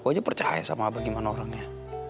aku aja percaya sama abah gimana orangnya